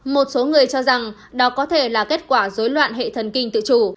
một số người cho rằng đó có thể là kết quả dối loạn hệ thần kinh tự chủ